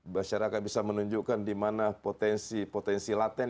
masyarakat bisa menunjukkan di mana potensi potensi laten